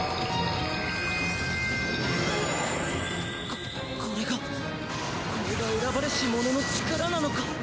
ここれがこれが選ばれし者の力なのか！？